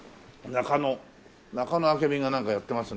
中野明海がなんかやってますね。